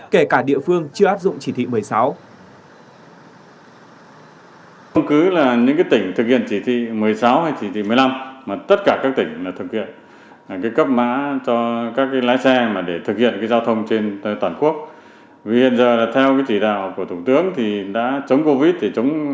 kể cả địa phương chưa áp dụng chỉ thị một mươi sáu